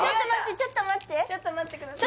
ちょっと待ってちょっと待ってください